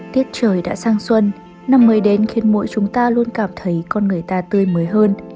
tiết trời đã sang xuân năm mới đến khiến mỗi chúng ta luôn cảm thấy con người ta tươi mới hơn